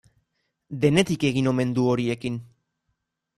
Denetik egin omen du horiekin.